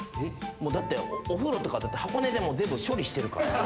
だってお風呂とか箱根で全部処理してるから。